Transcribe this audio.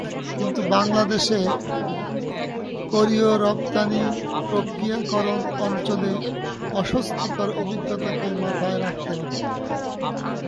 কিন্তু বাংলাদেশে কোরীয় রপ্তানি প্রক্রিয়াকরণ অঞ্চলের অস্বস্তিকর অভিজ্ঞতাকে মাথায় রাখতে হবে।